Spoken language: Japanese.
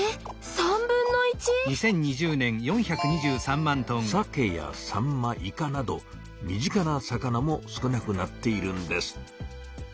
３分の１⁉サケやサンマイカなど身近な魚も少なくなっているんです。